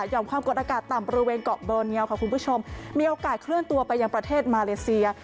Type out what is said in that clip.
ความกดอากาศต่ำบริเวณเกาะเบอร์เนียลค่ะคุณผู้ชมมีโอกาสเคลื่อนตัวไปยังประเทศมาเลเซีย